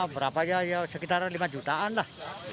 berapa ya sekitar lima jutaan lah